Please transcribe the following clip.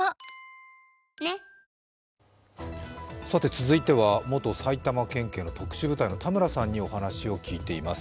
続いては、元埼玉県警の特殊部隊の田村さんにお話を聞いています。